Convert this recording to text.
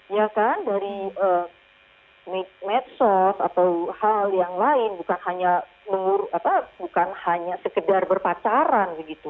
ya kan dari medsos atau hal yang lain bukan hanya sekedar berpacaran begitu